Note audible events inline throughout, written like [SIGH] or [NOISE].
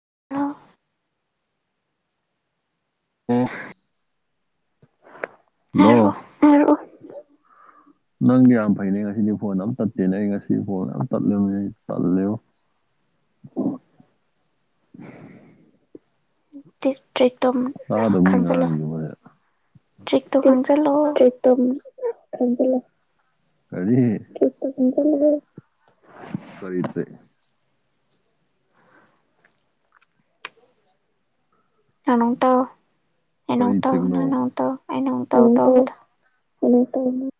[UNINTELLIGIBLE] hello ꯍꯥꯏꯔꯛꯑꯣ ꯍꯥꯢꯔꯛꯑꯣ [INAUDIBLE] [UNINTELLIGIBLE] ꯅꯪꯗꯤ ꯌꯥꯝ ꯐꯩꯅꯦ ꯉꯁꯤꯗꯤ ꯐꯣꯟ ꯑꯝ ꯇꯠꯇꯦꯅꯦ ꯑꯩ ꯉꯁꯤ ꯐꯣꯟ ꯌꯥꯝ ꯇꯠꯂꯦꯕ ꯇꯜꯂꯦꯕ [INAUDIBLE] [UNINTELLIGIBLE] ꯇ꯭ꯔꯤ ꯇ꯭ꯔꯤꯛ ꯇꯧꯝ ꯇꯥꯗꯕ ꯃꯤ ꯈꯪꯖꯤꯜꯂꯣ ꯉꯥꯡꯉꯤꯁꯤꯕꯣ ꯇ꯭ꯔꯤꯛꯇꯣ ꯍꯦꯛ ꯈꯪꯖꯤꯜꯂꯣ ꯇ꯭ꯔꯤꯛꯇꯣ ꯈꯪꯖꯤꯜꯂꯣ ꯀꯔꯤ ꯇ꯭ꯔꯤꯛꯇꯣ ꯈꯪꯖꯜꯂꯣ ꯀꯔꯤ ꯇ꯭ꯔꯤꯛ ꯅꯣꯅ ꯑꯃꯨꯛ ꯇꯧ ꯑꯩꯅ ꯀꯔꯤ ꯑꯃꯨꯛ ꯇꯧ ꯇ꯭ꯔꯤꯛꯅꯣ ꯅꯪꯅ ꯑꯃꯨꯛ ꯇꯧ ꯑꯩꯅ ꯑꯃꯨꯛ ꯇꯧ ꯇꯧꯕꯗꯣ ꯑꯩꯅꯃꯨꯛ ꯇꯧꯅꯪ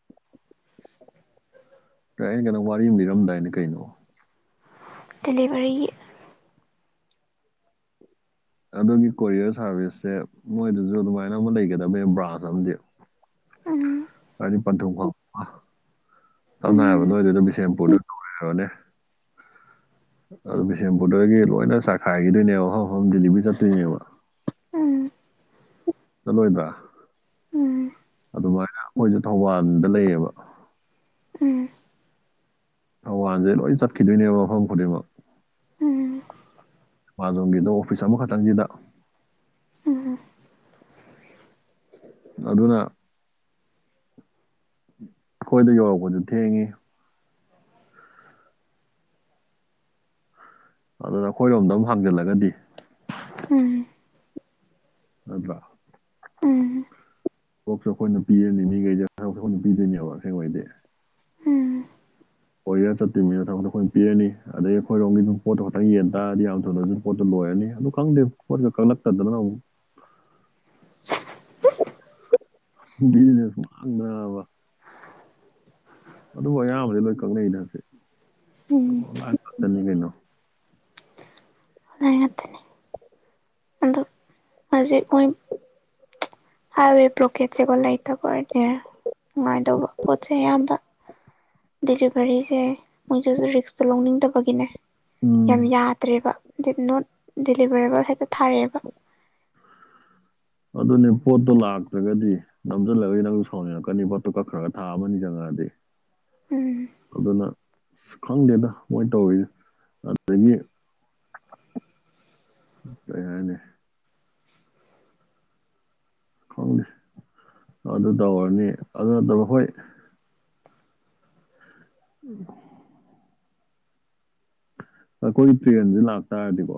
ꯑꯩꯅ ꯀꯩꯅꯣ ꯋꯥꯔꯤ ꯑꯃ ꯂꯤꯔꯝꯗꯥꯏꯅꯦ ꯀꯩꯅꯣ ꯗꯦꯂꯤꯚꯔꯤꯒꯤ ꯑꯗꯨꯒꯤ ꯀꯣꯔꯤꯌꯔ ꯁꯥꯔꯚꯤꯁꯁꯦ ꯃꯣꯏꯗꯁꯨ ꯑꯗꯨꯃꯥꯏꯅ ꯑꯃ ꯂꯩꯒꯗꯕꯅꯦ ꯕ꯭ꯔꯥꯟꯁ ꯑꯃꯗꯤ ꯎꯝ ꯍꯥꯏꯗꯤ ꯄꯟꯊꯨꯡꯐꯝ ꯁꯝꯅ ꯎꯝ ꯍꯥꯏꯔꯕꯗ ꯅꯣꯏꯗ ꯑꯗꯨꯝ ꯕꯤꯁꯦꯝꯄꯨꯔꯗ [UNINTELLIGIBLE] ꯅꯦ ꯑꯗꯨ ꯕꯤꯁꯦꯝꯄꯨꯔꯗꯒꯤ ꯂꯣꯏꯅ ꯆꯥꯛꯈꯥꯏꯈꯤꯗꯣꯏꯅꯦꯕ ꯃꯐꯝ ꯃꯐꯝ ꯗꯤꯂꯤꯚꯔꯤ ꯆꯠꯇꯣꯏꯅꯦꯕ ꯎꯝ ꯂꯣꯏꯕ ꯎꯝ ꯑꯗꯨꯃꯥꯏꯅ ꯃꯣꯏꯁꯨ ꯊꯧꯕꯥꯟꯗ ꯂꯩꯌꯦꯕ ꯎꯝ ꯊꯧꯕꯥꯟꯁꯦ ꯂꯣꯏ ꯆꯠꯈꯤꯗꯣꯏꯅꯦꯕ ꯃꯐꯝ ꯈꯨꯗꯤꯡꯃꯛ ꯎꯝ ꯃꯥꯂꯣꯝꯒꯤꯗꯣ ꯑꯣꯐꯤꯁ ꯑꯃꯈꯛꯇꯪꯁꯤꯗ ꯎꯝ ꯑꯗꯨꯅ ꯑꯩꯈꯣꯏꯗ ꯌꯧꯔꯛꯄꯗꯨ ꯊꯦꯡꯉꯦ ꯑꯗꯨꯅ ꯑꯩꯈꯣꯏꯔꯣꯝꯗ ꯑꯃꯝ ꯍꯥꯡꯖꯜꯂꯒꯗꯤ ꯎꯝ ꯑꯗ ꯎꯝ ꯎꯝ ꯎꯝ ꯀꯣꯛꯁꯨ ꯑꯩꯈꯣꯏꯅ ꯄꯤꯔꯅꯤ ꯃꯤꯈꯩꯁꯦ [UNINTELLIGIBLE] ꯀꯁꯨ ꯑꯩꯈꯣꯏꯅ ꯄꯤꯗꯣꯏꯅꯦꯕ ꯑꯁꯦꯡꯕꯩꯗꯤ ꯎꯝ ꯑꯣꯏꯒꯔꯥ ꯆꯠꯇꯣꯏꯕꯅꯤꯅ ꯊꯕꯛꯇ ꯑꯩꯈꯣꯏꯅ ꯄꯤꯔꯅꯤ ꯑꯗꯩ ꯑꯩꯈꯣꯏꯔꯣꯝꯒꯤꯗꯨꯝ ꯄꯣꯠꯇꯣ ꯈꯛꯇꯪ ꯌꯦꯟ ꯇꯔꯗꯤ ꯌꯥꯝ ꯊꯅꯁꯨ ꯄꯣꯠꯇꯣ ꯂꯣꯏ ꯑꯣꯏꯔꯅꯤ ꯑꯗꯨ ꯈꯪꯗꯦ ꯀꯛꯂꯛꯇꯗꯅ ꯑꯃꯨꯛ [INAUDIBLE] [UNINTELLIGIBLE] ꯕꯤꯖꯤꯅꯦꯁ ꯃꯥꯡꯗ꯭ꯔꯕ ꯑꯗꯨꯕꯨ ꯑꯌꯥꯝꯕꯗꯤ ꯂꯣꯏ ꯀꯛꯅꯩ ꯑꯗꯨꯃꯥꯏ [UNINTELLIGIBLE] ꯀꯩꯅꯣ ꯍꯣꯠꯅꯔꯥ ꯉꯥꯛꯇꯅꯤ ꯑꯗꯨ ꯍꯧꯖꯤꯛ ꯑꯣꯏ ꯍꯥꯏꯋꯦ ꯄ꯭ꯔꯣꯀꯦꯠꯁꯦꯒꯣ ꯂꯩꯇꯔꯅꯦ ꯅꯨꯡꯉꯥꯏꯗꯧꯕ ꯄꯣꯠꯁꯦ ꯑꯌꯥꯝꯕ ꯗꯤꯂꯤꯚꯔꯤꯁꯦ ꯃꯣꯏꯁꯨ ꯍꯧꯖꯤꯛ ꯔꯤꯛꯁꯇꯣ ꯂꯧꯅꯤꯡꯗꯕꯒꯤꯅꯦ ꯌꯥꯝ ꯎꯝ ꯌꯥꯗ꯭ꯔꯦꯕ ꯗꯤꯗ ꯅꯣꯠ ꯗꯤꯂꯤꯚꯔꯦꯕꯜ ꯍꯦꯛꯇ ꯊꯥꯔꯛꯑꯦꯕ ꯑꯗꯨꯅꯦ ꯄꯣꯠꯇꯣ ꯂꯥꯛꯇ꯭ꯔꯒꯗꯤ ꯅꯝꯁꯤꯜꯂꯒꯗꯤ ꯅꯪꯁꯨ ꯁꯥꯎꯅꯤꯡꯔꯛꯀꯅꯤ ꯄꯣꯠꯇꯣ ꯀꯛꯈ꯭ꯔꯒ ꯊꯥ ꯑꯃꯅꯤ ꯆꯪꯉꯛꯑꯗꯤ [INAUDIBLE] ꯑꯗꯨꯅ ꯈꯪꯗꯦꯗ ꯃꯣꯏ ꯇꯧꯔꯤꯁꯦ ꯑꯗꯨꯗꯒꯤ [INAUDIBLE] ꯀꯩ ꯍꯥꯏꯅꯤ ꯈꯪꯗꯦ ꯑꯗꯨ ꯇꯧꯔꯅꯤ ꯑꯗꯨ ꯅꯠꯇꯕ ꯍꯣꯏ ꯎꯝ ꯑꯩꯈꯣꯏ ꯇ꯭ꯔꯦꯟꯁꯦ ꯂꯥꯛꯇꯥꯔꯗꯤꯀꯣ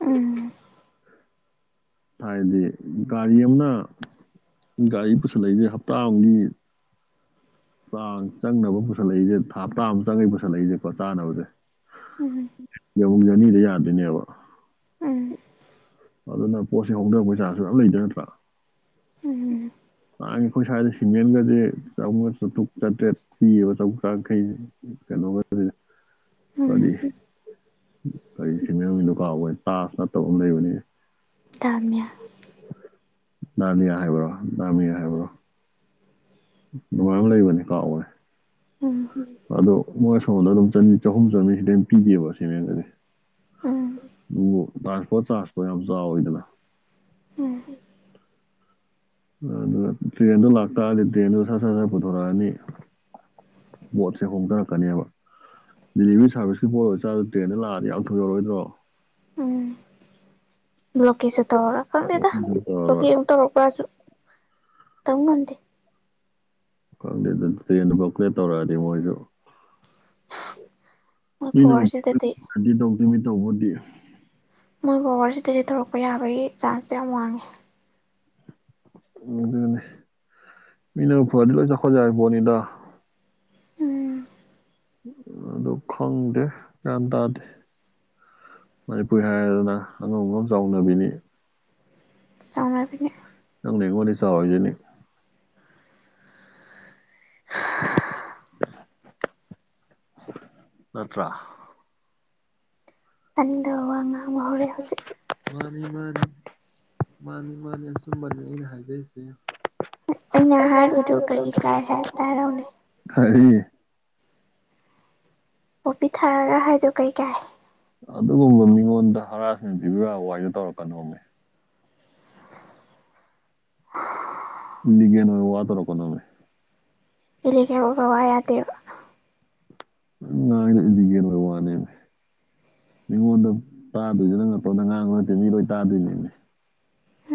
ꯎꯝ ꯊꯥꯏꯟꯗꯤ ꯒꯥꯔꯤ ꯑꯝꯅ ꯒꯥꯔꯤ ꯄꯨꯁꯤ ꯂꯩꯁꯦ ꯍꯞꯇꯥ ꯑꯝꯒꯤ ꯆꯥꯡ ꯆꯪꯅꯕ ꯄꯨꯁꯜꯂꯛꯏꯁꯦ ꯍꯞꯇꯥ ꯑꯃ ꯆꯪꯉꯛꯏ ꯄꯨꯁꯜꯂꯛꯏꯁꯦꯀꯣ ꯆꯥꯅꯕꯁꯦ ꯎꯝ ꯌꯧꯕ ꯖꯔꯅꯤꯗ ꯌꯥꯗꯣꯏꯅꯦꯕ ꯎꯝ ꯑꯗꯨꯅ ꯄꯣꯠꯁꯤ ꯍꯣꯡꯗꯕ ꯄꯩꯁꯥꯁꯨ ꯌꯥꯝ ꯂꯩꯗꯣꯏ ꯅꯠꯇ꯭ꯔꯥ ꯎꯝ ꯑꯥꯟ ꯑꯩꯈꯣꯏ ꯁ꯭ꯋꯥꯏꯗ ꯁꯤꯃꯦꯟꯒꯗꯤ ꯆꯥꯝꯃꯉꯒ ꯆꯥꯇ꯭ꯔꯨꯛ ꯆꯥꯇ꯭ꯔꯦꯠ ꯄꯤꯌꯦꯕ ꯆꯨꯛ ꯆꯡꯈꯩꯁꯦ ꯀꯩꯅꯣ ꯀꯁꯦ ꯎꯝ ꯀꯔꯤ ꯀꯔꯤ ꯁꯤꯃꯦꯟꯒꯤ ꯗꯨ ꯀꯥꯎꯈꯔꯦ ꯇꯥꯖ ꯅꯠꯇꯕ ꯑꯃ ꯂꯩꯕꯅꯦ ꯗꯥꯃꯤꯌꯥ ꯅꯥꯅꯤꯌꯥ ꯍꯥꯏꯦꯕ꯭ꯔꯣ ꯗꯥꯃꯤꯌꯥ ꯍꯥꯏꯕ꯭ꯔꯣ ꯅꯨꯡꯉꯥꯏ ꯑꯃ ꯂꯩꯕꯅꯤ ꯀꯥꯎꯈꯔꯦ ꯎꯝ ꯑꯗꯣ ꯃꯣꯏ ꯁꯣꯝꯗ ꯑꯗꯨꯝ ꯆꯅꯤ ꯆꯍꯨꯝ ꯆꯃꯔꯤꯁꯤꯗꯩ ꯍꯦꯟꯅ ꯄꯤꯗꯦꯕ ꯁꯤꯃꯦꯅꯗꯗꯤ ꯎꯝ ꯎ ꯂꯥꯛꯄꯣ ꯆꯥꯥꯁꯇꯣ ꯌꯥꯝ ꯆꯥꯎꯋꯤꯗꯅ ꯎꯝ ꯑꯗꯨꯒ ꯇ꯭ꯔꯦꯟꯗꯣ ꯂꯥꯛꯇꯥꯔꯗꯤ ꯇ꯭ꯔꯦꯟꯗꯨ ꯁꯠ ꯁꯠ ꯁꯠ ꯄꯨꯊꯣꯔꯛꯑꯅꯤ ꯄꯣꯠꯁꯦ ꯍꯣꯡꯊꯔꯛꯀꯅꯦꯕ ꯗꯤꯂꯤꯚꯔꯤ ꯁꯥꯔꯚꯤꯁꯀꯤ ꯄꯣꯠ ꯑꯣꯏ ꯆꯥꯔ ꯇ꯭ꯔꯦꯟꯗ ꯂꯥꯛꯑꯗꯤ ꯌꯥꯝ ꯊꯨ ꯂꯧꯔꯛꯑꯣꯏꯗ꯭ꯔꯣ ꯎꯝ ꯕꯜꯣꯀꯦꯁꯇꯨ ꯇꯧꯔꯒ ꯈꯟꯗꯦꯗ ꯇꯧꯔꯔꯣꯏ ꯕꯜꯣꯀꯦꯇ ꯑꯃꯨꯛ ꯇꯧꯔꯛꯄ꯭ꯔꯁꯨ ꯇꯝ ꯉꯝꯗꯦ ꯈꯪꯗꯦ ꯑꯗꯨ ꯇ꯭ꯔꯦꯟꯗ ꯕꯜꯣꯀꯦꯠ ꯇꯧꯔꯛꯑꯗꯤ ꯃꯣꯏꯁꯨ ꯃꯣꯏ ꯄꯋꯥꯔꯁꯤꯗꯗꯤ ꯃꯤꯗꯤ ꯇꯧꯗꯦ ꯃꯤ ꯇꯧꯕꯨꯗꯤ ꯃꯣꯏ ꯕꯋꯔꯁꯤꯗꯒꯤ ꯊꯣꯔꯛꯄ ꯌꯥꯕꯒꯤ ꯆꯥꯟꯁꯁꯦ ꯌꯥꯝ ꯋꯥꯡꯉꯦ ꯎ ꯑꯗꯨꯅꯤ ꯃꯤꯅ ꯐꯔꯗꯤ ꯂꯣꯏ ꯆꯥꯎꯈꯠ ꯌꯥꯔꯤꯄꯣꯠꯅꯤꯗ ꯎꯝ ꯑꯗꯨ ꯑꯗꯨ ꯈꯪꯗꯦ ꯒꯌꯥꯟꯇꯥꯗꯦ ꯃꯅꯤꯄꯨꯔꯤ ꯍꯥꯏꯔꯗꯅ ꯑꯉꯝ ꯑꯉꯝ ꯆꯥꯎꯅꯕꯤꯅꯤ ꯆꯥꯎꯅꯕꯤꯅꯤ ꯅꯪꯅꯦ ꯑꯩꯉꯣꯟꯗꯩ ꯆꯥꯎꯔꯤꯁꯤꯅꯤ ꯅꯠꯇ꯭ꯔꯥ ꯇꯥꯅꯤꯡꯗꯕ ꯋꯥ ꯉꯥꯡꯕ ꯍꯧꯔꯦ ꯍꯧꯖꯤꯛ ꯃꯥꯅꯤ ꯃꯥꯅꯤ ꯃꯥꯅꯤ ꯃꯥꯅꯤ ꯑꯆꯨꯝꯕꯅꯤ ꯑꯩꯅ ꯍꯥꯏꯖꯔꯤꯁꯦ ꯑꯩꯅ ꯍꯥꯏꯔꯨꯏꯗꯨ ꯀꯔꯤ ꯀꯥꯏ ꯍꯥꯏꯕꯇ ꯍꯥꯏꯔꯛꯎꯅꯦ [UNINTELLIGIBLE] ꯈꯔꯤ ꯄꯣꯄꯤ ꯊꯥꯔꯒ ꯍꯥꯏꯗꯨ ꯀꯩꯀꯥꯏ ꯑꯗꯨꯒꯨꯝꯕ ꯃꯤꯉꯣꯟꯗ ꯍꯔꯥꯁꯃꯦꯟ ꯄꯤꯕ ꯌꯥꯕ ꯋꯥꯔꯤꯗꯣ ꯇꯧꯔꯛꯀꯅꯣꯃꯦ [UNINTELLIGIBLE] ꯂꯤꯒꯦꯟ ꯑꯣꯢꯕ ꯋꯥ ꯇꯧꯔꯛꯀꯀꯣꯃꯦ ꯏꯜꯂꯤꯒꯦꯜ ꯑꯣꯢꯕ ꯋꯥ ꯌꯥꯗꯦꯕ ꯅꯪꯅ ꯉꯥꯡꯉꯤꯁꯦ ꯏꯜꯂꯤꯒꯦꯜ ꯑꯣꯢꯕ ꯋꯥꯅꯦꯃꯦ ꯃꯤꯉꯣꯟꯗ ꯇꯥꯗꯣꯏꯁꯦ ꯅꯪ ꯅꯇꯣꯝꯗ ꯉꯥꯡꯕ ꯅꯠꯇꯦ ꯃꯤ ꯂꯣꯏ ꯇꯥꯗꯣꯏꯅꯦꯃꯦ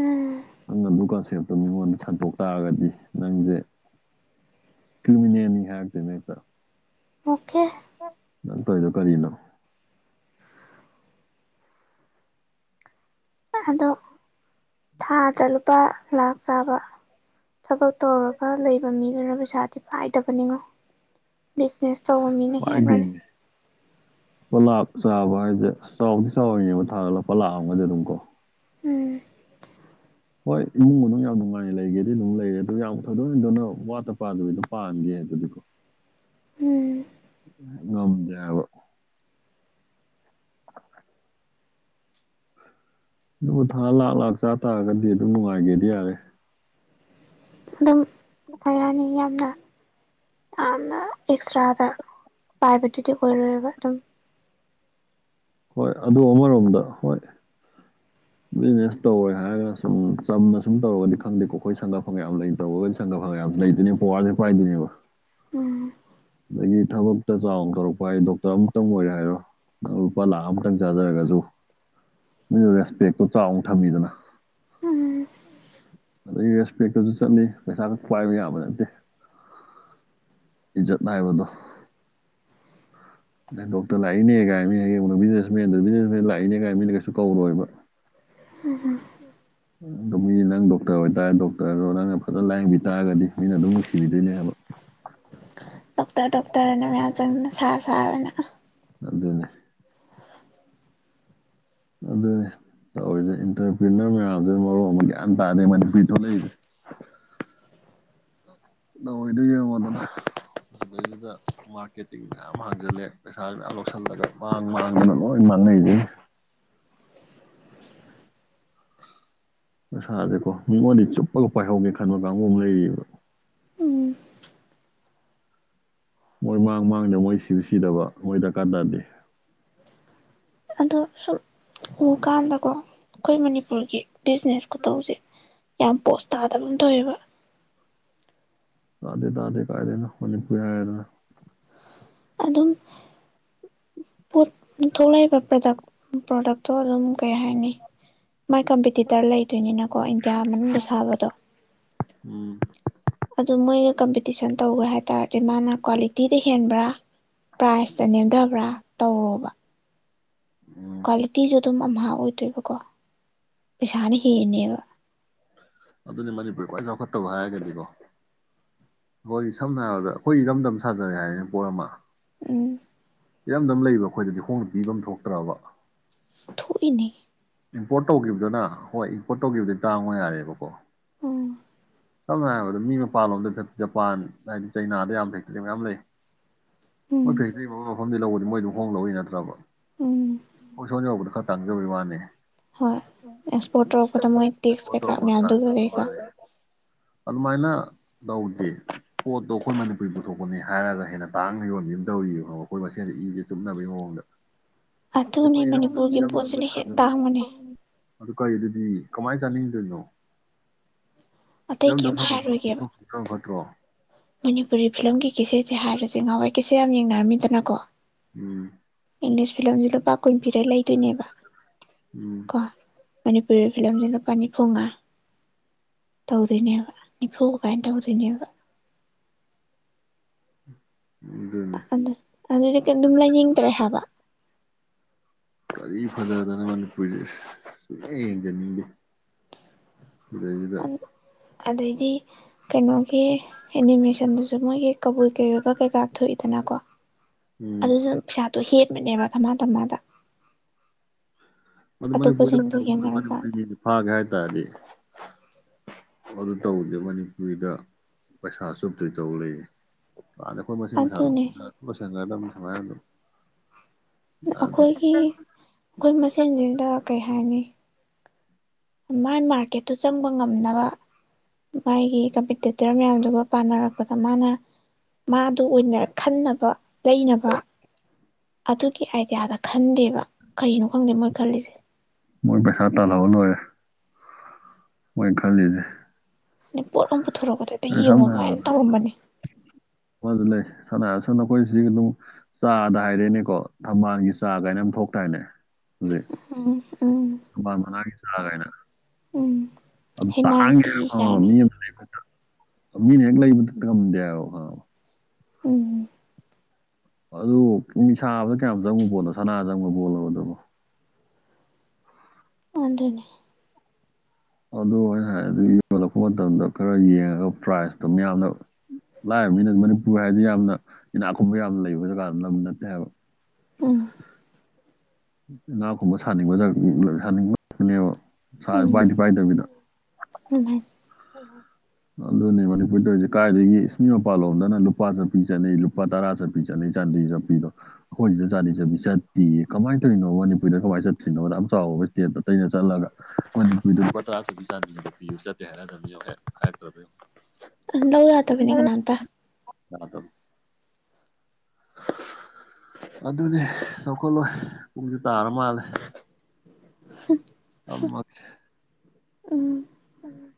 ꯎꯝ ꯅꯪ ꯑꯗꯨ ꯀꯟꯁꯦꯞꯇꯣ ꯃꯤꯉꯣꯟꯗ ꯁꯟꯇꯣꯛ ꯇꯥꯔꯒꯗꯤ ꯅꯪꯁꯦ ꯀ꯭ꯔꯤꯃꯤꯅꯦꯜꯅꯤ ꯍꯥꯢꯔꯛꯇꯣꯢꯅꯦ ꯍꯦꯛꯇ ꯑꯣꯀꯦ ꯅꯪ ꯇꯧꯔꯤꯗꯣ ꯀꯔꯤꯅꯣ ꯑꯗꯣ [INAUDIBLE] ꯊꯥꯗ ꯂꯨꯄꯥ ꯂꯥꯛ ꯆꯥꯕ ꯊꯕꯛ ꯇꯧꯔꯒ ꯂꯩꯕ ꯃꯤꯗꯨꯅ ꯄꯩꯁꯥꯗꯤ ꯄꯥꯏꯗꯕꯅꯤꯉꯣ ꯕꯤꯖꯤꯅꯦꯁ ꯇꯧꯕ ꯃꯤꯅ ꯍꯦꯟꯕꯅꯦ ꯂꯨꯄꯥ ꯂꯥꯛ ꯆꯥꯕ ꯍꯥꯏꯁꯦ ꯆꯥꯎꯗꯤ ꯆꯥꯎꯔꯤꯅꯦꯕ ꯊꯥꯗ ꯂꯨꯄꯥ ꯂꯥꯛ ꯑꯃꯒꯗꯤ ꯑꯗꯨꯝ ꯀꯣ ꯎꯝ ꯍꯣꯏ ꯏꯃꯨꯡ ꯃꯅꯨꯡ ꯌꯥꯝ ꯅꯨꯡꯉꯥꯏ ꯂꯩꯒꯦꯗꯤ ꯑꯗꯨꯝ ꯂꯩꯔꯦ ꯑꯗꯨ ꯌꯥꯝ ꯊꯣꯏꯗꯣꯛ ꯍꯦꯟꯗꯣꯛꯅ ꯋꯥꯠꯇ ꯄꯥꯗꯕꯤꯗ ꯄꯥꯟꯒꯦ ꯑꯗꯨꯗꯤꯀꯣ ꯎꯝ ꯉꯝꯗꯦ ꯍꯥꯢꯕ [INAUDIBLE] ꯑꯗꯨꯕꯨ ꯊꯥ ꯂꯥꯛ ꯂꯥꯛ ꯆꯥ ꯇꯥꯔꯒꯗꯤ ꯑꯗꯨꯝ ꯅꯨꯡꯉꯥꯏꯒꯦꯗꯤ ꯌꯥꯔꯦ ꯑꯗꯨꯝ [UNINTELLIGIBLE] ꯌꯥꯝꯅ ꯌꯥꯝꯅ ꯑꯦꯛꯁꯇ꯭ꯔꯥꯗ ꯄꯥꯏꯕꯗꯨꯗꯤ ꯑꯣꯏꯔꯣꯏꯕ ꯑꯗꯨꯝ ꯍꯣꯏ ꯑꯗꯨ ꯑꯃꯔꯣꯝꯗ ꯍꯣꯏ [INAUDIBLE] ꯕꯤꯖꯤꯅꯦꯁ ꯇꯧꯔꯦ ꯍꯥꯏꯔꯒ ꯁꯨꯝ ꯆꯝꯅ ꯁꯨꯝ ꯇꯧꯔꯒꯗꯤ ꯈꯪꯗꯦꯀꯣ ꯑꯩꯈꯣꯏ ꯁꯪꯒ ꯐꯪꯒ ꯌꯥꯝ ꯂꯩ ꯇꯧꯔꯒ ꯁꯪꯒ ꯐꯪꯒ ꯌꯥꯝ ꯂꯩꯗꯣꯢꯅꯦ ꯄꯥꯋꯔꯖꯦ ꯄꯥꯏꯗꯣꯏꯅꯦꯕ ꯎꯝ ꯑꯗꯒꯤ ꯊꯕꯛꯇ ꯆꯥꯎꯅ ꯇꯧꯔꯛꯄ ꯍꯥꯏ ꯗꯣꯛꯇꯔ ꯑꯃꯛꯇꯪ ꯑꯣꯏꯔꯦ ꯍꯥꯏꯔꯣ ꯂꯨꯄꯥ ꯂꯥꯛ ꯑꯃꯇꯪ ꯆꯥꯖꯔꯒꯁꯨ ꯅꯣꯏꯁꯨ ꯔꯦꯁꯄꯦꯛꯇꯣ ꯆꯥꯎꯅ ꯊꯝꯃꯤꯗꯅ ꯎꯝ ꯑꯗꯒꯤ ꯔꯦꯁꯄꯦꯛꯇꯁꯨ ꯆꯠꯂꯤ ꯄꯩꯁꯥ ꯈꯛ ꯄꯥꯏꯕ ꯌꯥꯕ ꯅꯠꯇꯦ ꯏꯖꯠ ꯍꯥꯏꯕꯗꯣ ꯍꯦ ꯗꯣꯛꯇꯔ ꯂꯥꯛꯏꯅꯦ ꯀꯥꯏ ꯃꯤꯅ ꯍꯌꯦꯡ ꯎꯅꯕ ꯃꯤꯗꯨꯅꯁꯨ ꯕꯤꯖꯤꯅꯦꯁꯃꯦꯟ ꯂꯥꯛꯏꯅꯦ ꯀꯥꯏ ꯃꯤꯅ ꯀꯩꯁꯨ ꯀꯧꯔꯣꯏꯕ ꯎꯝ ꯎꯝ ꯃꯤ ꯅꯪ ꯗꯣꯛꯇꯔ ꯑꯣꯏꯇꯥꯔꯣ ꯗꯣꯛꯇꯔꯗꯣ ꯅꯪꯅ ꯐꯖꯅ ꯂꯥꯏꯌꯦꯡꯕꯤ ꯇꯥꯔꯒꯗꯤ ꯃꯤꯅ ꯑꯗꯨꯝ ꯅꯨꯡꯁꯤꯕꯤꯗꯣꯏꯅꯦ ꯍꯥꯏꯕ [INAUDIBLE] ꯗꯣꯛꯇꯔ ꯗꯣꯛꯇꯔ ꯍꯥꯏꯅ ꯃꯌꯥꯝ ꯆꯪꯗꯅ ꯁꯥꯔ ꯁꯥꯔꯅ ꯑꯗꯨꯅꯦ ꯑꯗꯨꯅꯦ ꯇꯧꯔꯤꯁꯦ ꯏꯟꯇꯔꯄ꯭ꯔꯤꯅꯔ ꯃꯌꯥꯝꯁꯤꯅ ꯃꯔꯣꯜ ꯑꯃ ꯒ꯭ꯌꯥꯟ ꯇꯥꯗꯦ ꯃꯅꯤꯄꯨꯔ ꯊꯣꯛꯂꯛꯏꯁꯦ [INAUDIBLE] [UNINTELLIGIBLE] ꯌꯦꯡꯉꯣꯗꯅ ꯑꯁꯗꯩꯗꯨꯗ ꯃꯥꯔꯀꯦꯇꯤꯡ ꯃꯌꯥꯝ ꯍꯥꯡꯖꯜꯂꯦ ꯄꯩꯁꯥꯖꯨ ꯃꯌꯥꯝ ꯂꯧꯁꯤꯜꯂꯒ ꯃꯥꯡ ꯃꯥꯡꯗꯅ ꯂꯣꯏ ꯃꯥꯡ ꯅꯩꯖꯤꯅꯤ [INAUDIBLE] ꯄꯩꯁꯥꯥꯁꯦꯀꯣ ꯃꯤꯉꯣꯟꯗꯩ ꯆꯨꯞꯄꯒ ꯄꯥꯏꯍꯧꯒꯦ ꯈꯟꯕ ꯀꯥꯡꯕꯨ ꯑꯃ ꯂꯩꯔꯤꯕ ꯎꯝ ꯃꯣꯏ ꯃꯥꯡ ꯃꯥꯡꯗꯕ ꯃꯣꯏ ꯁꯤ ꯁꯤꯗꯕ ꯃꯣꯏ ꯗꯔꯀꯥꯔ ꯇꯥꯗꯦ ꯑꯗꯣ ꯁꯨꯝ ꯎꯀꯥꯟꯗꯀꯣ ꯑꯩꯈꯣꯏ ꯃꯅꯤꯄꯨꯔꯒꯤ ꯕꯤꯖꯤꯅꯦꯁ ꯈꯨꯇꯧꯁꯦ ꯌꯥꯝ ꯄꯣꯁ ꯇꯥꯗꯕ ꯑꯃ ꯇꯧꯋꯦꯕ ꯇꯥꯗꯦ ꯇꯥꯗꯦ ꯀꯥꯏꯗꯩꯅꯣ ꯃꯅꯤꯄꯔꯦ ꯍꯥꯢꯔꯦꯗꯅ ꯑꯗꯨꯝ ꯄꯣꯠ ꯊꯣꯛꯂꯛꯏꯕ ꯄ꯭ꯔꯗꯛ ꯄ꯭ꯔꯗꯛꯇꯣ ꯑꯗꯨꯝ ꯀꯩ ꯍꯥꯏꯅꯤ ꯃꯥꯏ ꯀꯝꯄꯤꯇꯤꯇꯔ ꯂꯩꯗꯣꯏꯅꯤꯅꯀꯣ ꯏꯟꯗꯤꯌꯥ ꯃꯅꯨꯡꯗ ꯁꯥꯕꯗꯣ ꯎꯝ ꯑꯗꯨ ꯃꯣꯏꯒ ꯀꯝꯄꯤꯇꯤꯁꯟ ꯇꯧꯒꯦ ꯍꯥꯏꯇꯥꯥꯔꯗꯤ ꯃꯥꯅ ꯀ꯭ꯋꯥꯂꯤꯇꯤꯗ ꯍꯦꯟꯕ꯭ꯔꯥ ꯄ꯭ꯔꯥꯏꯖꯇ ꯅꯦꯝꯊꯕ꯭ꯔꯥ ꯇꯧꯔꯣꯕ ꯎꯝ ꯀ꯭ꯋꯥꯂꯤꯇꯤꯁꯨ ꯑꯗꯨꯝ ꯑꯝꯍꯥ ꯑꯣꯏꯗꯣꯏꯕꯀꯣ ꯄꯩꯁꯥꯅ ꯍꯦꯟꯅꯦꯕ ꯑꯗꯨꯅꯦ ꯃꯅꯤꯄꯨꯔ ꯈ꯭ꯋꯥꯏ ꯆꯥꯎꯈꯠꯇꯕ ꯍꯥꯏꯔꯒꯗꯤꯀꯣ ꯑꯈꯣꯏꯒꯤ ꯁꯝꯅ ꯍꯥꯏꯔꯕꯗ ꯑꯩꯈꯣꯏ ꯏꯔꯝꯗꯝ ꯁꯥꯖꯔꯦ ꯍꯥꯏꯔꯦꯅꯦ ꯄꯣꯠ ꯑꯃ ꯎꯝ ꯏꯔꯝꯗꯝ ꯂꯩꯕ ꯑꯩꯈꯣꯏꯗꯗꯤ ꯈꯣꯡꯅ ꯄꯤꯚꯝ ꯊꯣꯛꯇ꯭ꯔꯕ ꯊꯣꯛꯏꯅꯦ ꯏꯝꯄꯣꯔꯠ ꯇꯧꯈꯤꯕꯗꯨꯅ ꯍꯣꯏ ꯏꯝꯄꯣꯔꯠ ꯇꯧꯈꯤꯕꯗꯤ ꯇꯥꯡꯉꯣ ꯌꯥꯔꯦꯕꯀꯣ ꯑꯣ ꯁꯝꯅ ꯍꯥꯏꯔꯕꯗ ꯃꯤ ꯃꯄꯥꯟꯂꯣꯝꯗ ꯖꯄꯥꯟ ꯍꯥꯏꯗꯤ ꯆꯩꯅꯥꯗ ꯌꯥꯝ ꯐꯦꯛꯇꯔꯤ ꯃꯌꯥꯝ ꯂꯩ ꯎꯝ ꯃꯣꯏ ꯐꯦꯛꯇ꯭ꯔꯤ ꯃꯐꯝ ꯃꯐꯝꯗꯩ ꯂꯧꯕꯗꯤ ꯃꯣꯏ ꯑꯗꯨꯝ ꯍꯣꯡ ꯍꯣꯡꯅ ꯂꯧꯏ ꯅꯠꯇ꯭ꯔꯕ ꯎꯝ ꯈꯣꯏ ꯁꯣꯝ ꯌꯧꯕꯗ ꯈꯔ ꯇꯥꯡꯖꯕꯩ ꯋꯥꯅꯦ ꯍꯣꯏ ꯑꯦꯛꯁꯄꯣꯔꯠ ꯇꯧꯔꯛꯄꯗ ꯃꯣꯏ ꯇꯦꯛꯁ ꯑꯦꯛꯁꯄꯣꯔꯠ ꯀꯩꯀꯥ ꯇꯧꯕ ꯃꯌꯥꯝꯗꯨꯒ ꯇꯥꯡꯖꯕꯩ ꯀꯩꯀꯥ ꯋꯥꯅꯤ ꯑꯗꯨꯃꯥꯏꯅ ꯂꯧꯗꯦ ꯄꯣꯠꯇꯣ ꯑꯩꯈꯣꯏ ꯃꯅꯤꯄꯨꯔꯅ ꯄꯨꯊꯣꯛꯄꯅꯦ ꯍꯥꯏꯔꯒ ꯍꯦꯟꯅ ꯇꯥꯡꯅ ꯌꯣꯟꯕꯤ ꯑꯃ ꯇꯧꯔꯤꯕ ꯑꯩꯈꯣꯏ ꯃꯁꯦꯟꯁꯦ ꯏꯁꯦ ꯆꯨꯞꯅꯕꯒꯤ ꯃꯑꯣꯡꯗ ꯑꯗꯨꯅꯤ ꯑꯩꯈꯣꯏ ꯏꯔꯝꯗ ꯃꯅꯤꯄꯨꯔꯒꯤ ꯏꯔꯝꯗꯝ ꯄꯣꯠꯁꯤꯅ ꯍꯦꯟ ꯁꯥꯖꯅ ꯇꯥꯡꯕꯅꯦ ꯑꯗꯨ [UNINTELLIGIBLE] ꯀꯃꯥꯏꯅ ꯆꯥꯅꯤꯡꯗꯣꯏꯅꯣ ꯑꯇꯩ ꯏꯔꯝꯗ ꯀꯩꯝ ꯐꯪ ꯍꯥꯏꯔꯣꯏꯒꯦꯕ [UNINTELLIGIBLE] ꯐꯠꯇ꯭ꯔꯣ ꯃꯅꯤꯄꯨꯔꯤ ꯐꯤꯂꯝꯒꯤ ꯀꯦꯆꯦꯠꯁꯦ ꯍꯥꯏꯔꯁꯦ ꯉꯍꯥꯟꯋꯥꯏ ꯀꯦꯆꯦꯠ ꯌꯥꯝ ꯌꯦꯡꯅꯔꯝꯃꯤꯗꯅꯀꯣ ꯎꯝ ꯏꯪꯂꯤꯁ ꯐꯤꯂꯝꯁꯦ ꯂꯨꯄꯥ ꯀꯨꯟ ꯄꯤꯔ ꯂꯩꯗꯣꯏꯅꯦꯕ ꯎꯝ ꯀꯣ ꯃꯅꯤꯄꯨꯔꯤ ꯐꯤꯂꯝꯁꯦ ꯂꯨꯄꯥ ꯅꯤ ꯐꯨꯉꯥ ꯇꯧꯗꯣꯏꯅꯦꯕ ꯅꯤꯐꯨ ꯀꯥꯏꯅ ꯇꯧꯗꯣꯏꯅꯦꯕ ꯑꯗꯨꯅꯤ ꯑꯗꯨ ꯑꯗꯨꯗꯤ ꯑꯗꯨꯝ ꯂꯩꯅꯤꯡꯗ꯭ꯔꯦ ꯍꯥꯏꯕ ꯀꯔꯤ ꯐꯖꯗꯅ ꯃꯅꯤꯄꯨꯔꯤꯖꯦ ꯏꯁ ꯁꯨꯛꯌꯦꯡ ꯌꯦꯡꯖꯅꯤꯡꯗꯦ ꯁꯤꯗꯩꯁꯤꯗ ꯑꯗꯩꯗꯤ ꯀꯩꯅꯣꯒꯤ ꯑꯦꯅꯤꯃꯦꯁꯟꯗꯨꯁꯨ ꯃꯣꯏꯒꯤ ꯀꯩꯕꯨꯏ ꯀꯩꯑꯣꯢ ꯀꯩꯀꯥ ꯊꯣꯛꯏꯗꯅ ꯀꯣ ꯎꯝ ꯑꯗꯨꯁꯨ ꯄꯩꯁꯥꯇꯣ ꯍꯦꯟꯕꯅꯦꯕ ꯊꯝꯕꯥꯟ ꯊꯝꯅꯥꯗ ꯑꯗꯨ ꯃꯅꯤꯄꯨꯔ ꯑꯇꯣꯞꯄꯁꯤꯡꯗꯨ ꯌꯦꯡꯅꯔꯨꯀꯥꯟꯗ [UNINTELLIGIBLE] ꯐꯥꯒꯦ ꯍꯥꯏꯇꯥꯔꯗꯤ ꯑꯗꯨ ꯇꯧꯗꯦ ꯃꯅꯤꯄꯨꯔꯤꯗ ꯄꯩꯁꯥ ꯆꯨꯞꯇꯣꯏ ꯇꯧ ꯂꯩꯌꯦ ꯀꯥꯟꯗꯦ ꯑꯩꯈꯣꯏ ꯃꯁꯦꯟ ꯄꯩꯁꯥꯗꯣ ꯑꯗꯨꯅꯦ ꯆꯨꯞꯅꯔ ꯑꯗꯨꯝ ꯂꯣꯢꯁꯟꯒ꯭ꯔꯗꯝꯅꯦ ꯁꯨꯃꯥꯏ ꯑꯗꯨꯝ ꯑꯩꯈꯣꯏꯒꯤ ꯌꯥꯗꯦ ꯑꯩꯈꯣꯏ ꯃꯁꯦꯟꯁꯤꯗ ꯀꯩ ꯍꯥꯏꯅꯤ ꯃꯥꯏ ꯃꯥꯔꯀꯦꯠꯇꯨ ꯆꯪꯕ ꯉꯝꯅꯕ ꯃꯥꯒꯤ ꯀꯝꯄꯤꯇꯤꯇꯔ ꯃꯌꯥꯝꯗꯨꯒ ꯄꯥꯅꯔꯛꯄꯗ ꯃꯥꯅ ꯃꯥꯗꯨ ꯑꯣꯏꯅ ꯈꯟꯅꯕ ꯂꯩꯅꯕ ꯑꯗꯨꯒꯤ ꯑꯥꯏꯗꯤꯌꯥꯗ ꯈꯟꯗꯦꯕ ꯀꯩꯅꯣ ꯈꯪꯗꯦ ꯃꯣꯏ ꯈꯜꯂꯤꯁꯦ ꯃꯣꯏ ꯄꯩꯁꯥ ꯇꯥꯜꯍꯧꯔ ꯂꯣꯢꯔꯦ ꯃꯣꯢ ꯈꯜꯂꯤꯁꯦ ꯗꯩ ꯄꯣꯠ ꯑꯃ ꯄꯨꯊꯣꯔꯛꯄꯗ ꯑꯟꯇ ꯑꯗꯩ ꯁꯝꯅ ꯌꯦꯡꯉꯣꯕ ꯑꯗꯨꯃꯥꯢ ꯍꯥꯏꯔꯕꯗ ꯇꯧꯔꯝꯕꯅꯦ ꯑꯃꯁꯨ ꯂꯩ ꯁꯝꯅ ꯍꯥꯢꯔꯕꯗ ꯑꯈꯣꯢ ꯁꯤꯒꯤ ꯑꯗꯨꯝ ꯆꯥꯗ ꯍꯥꯏꯔꯦꯅꯦꯀꯣ ꯊꯝꯕꯥꯜꯒꯤ ꯆꯥ ꯀꯥꯏꯅ ꯌꯥꯝ ꯊꯣꯛꯇꯥꯏꯅꯦ ꯎꯝ ꯊꯝꯕꯥꯟ ꯃꯅꯥꯒꯤ ꯆꯥ ꯒꯥꯏꯅ ꯎꯝ ꯑꯝ ꯇꯥꯡꯉꯦ ꯍꯩꯃꯥꯡꯀꯤ ꯍꯥꯢꯕ ꯀꯥꯏꯅ [UNINTELLIGIBLE] ꯃꯤꯅ ꯍꯦꯛ ꯂꯩꯝꯕꯗꯦ ꯍꯥꯢꯕ ꯈꯪꯉꯕ ꯑꯝ ꯑꯗꯨ ꯃꯤ ꯁꯥꯕꯗ ꯀꯌꯥꯝ ꯆꯪꯕ ꯄꯣꯠꯅꯣ ꯁꯅꯥ ꯆꯪꯕ ꯄꯣꯠꯂꯣꯕ ꯑꯗꯨꯕꯨ ꯑꯗꯨꯅꯦ ꯑꯗꯨ ꯑꯩ ꯍꯥꯢꯗꯤ ꯌꯣꯜꯂꯛꯄ ꯃꯇꯝꯗ ꯈꯔ ꯌꯦꯡꯉꯒ ꯄ꯭ꯔꯥꯏꯖꯇꯣ ꯃꯌꯥꯝꯅ ꯂꯥꯏꯔꯕꯅꯤꯅ ꯃꯅꯤꯄꯨꯔ ꯍꯥꯏꯗꯤ ꯌꯥꯝꯅ ꯏꯅꯥꯛ ꯈꯨꯨꯝꯕ ꯌꯥꯝꯅ ꯂꯩꯕ ꯖꯒꯥ ꯂꯝ ꯅꯠꯇꯦ ꯍꯥꯏꯕ ꯑ ꯏꯅꯥꯀꯨꯟꯕ ꯁꯥꯅꯤꯡꯕ ꯁꯥꯅꯤꯡꯕꯉꯥꯛꯇꯅꯦꯕ ꯁꯥꯗꯤ ꯎꯝ ꯄꯥꯏꯗꯤ ꯄꯥꯏꯗ꯭ꯔꯥꯕꯅꯤꯅꯥ ꯑꯗꯨꯃꯥꯏꯅ ꯑꯗꯨꯅꯦ ꯃꯅꯤꯄꯨꯔ ꯇꯧꯔꯤꯁꯦ ꯀꯥꯏꯗꯒꯤ ꯏꯁ ꯃꯤ ꯃꯄꯥꯟꯂꯣꯝꯗꯅ ꯂꯨꯄꯥ ꯆꯠꯄꯤ ꯆꯠꯅꯩ ꯂꯨꯄꯥ ꯇꯔꯥ ꯆꯠꯄꯤ ꯆꯠꯅꯩ ꯆꯥꯟꯗꯤ ꯆꯠꯄꯤꯗꯣ ꯑꯩꯈꯣꯏꯁꯤꯗꯅ ꯆꯥꯟꯗꯤ ꯆꯠꯄꯤ ꯆꯠꯇꯦꯌꯦ ꯀꯃꯥꯏ ꯇꯧꯏꯅꯣꯕ ꯃꯅꯤꯄꯨꯔꯗ ꯀꯃꯥꯏꯅ ꯆꯠꯇ꯭ꯔꯤꯅꯣꯗ ꯌꯥꯝ ꯆꯥꯎꯕ ꯏꯁꯇꯦꯠ ꯑꯇꯩꯩꯅ ꯆꯠꯂꯒ ꯃꯅꯤꯄꯨꯔꯗ ꯂꯨꯄꯥ ꯇꯔꯥ ꯆꯞꯄꯤ ꯆꯥꯟꯗꯤ ꯄꯤꯕ ꯆꯠꯇꯦ ꯍꯥꯏꯔꯗꯕꯅꯦ ꯌꯦꯡꯉꯣ ꯍꯦꯛ ꯍꯥꯏꯔꯛꯇ꯭ꯔꯕ ꯌꯦꯡꯉꯣ ꯂꯧ ꯌꯥꯇꯕꯅꯦ ꯀꯅꯥꯝꯇ ꯌꯥꯗꯕꯅꯤ [INAUDIBLE] ꯑꯗꯨꯅꯦ ꯆꯥꯎꯈꯠꯂꯣꯏ ꯄꯨꯡꯁꯨ ꯇꯥꯔ ꯃꯥꯜꯂꯦ ꯝꯃꯒꯦ ꯎꯝ ꯎꯝ